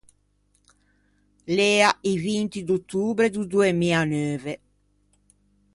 L’ea i vinti d’ottobre do doa mia neuve.